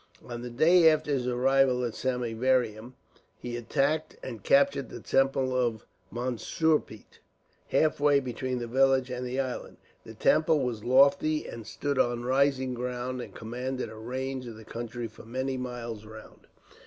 On the day after his arrival at Samieaveram, he attacked and captured the temple of Mansurpet, halfway between the village and the island. The temple was lofty, and stood on rising ground, and commanded a range of the country for many miles round.